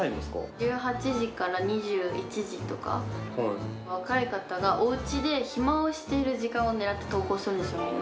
１８時から２１時とか、若い方がおうちで暇をしてる時間を狙って投稿するんですよ、みんな。